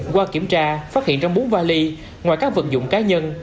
qua kiểm tra phát hiện trong bốn vali ngoài các vật dụng cá nhân